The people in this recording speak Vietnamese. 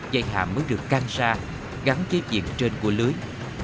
dây hàm mới được căng ra gắn chếp diện trên của lưới